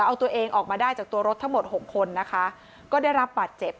เอาตัวเองออกมาได้จากตัวรถทั้งหมดหกคนนะคะก็ได้รับบาดเจ็บ